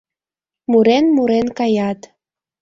Мурен-мурен каят.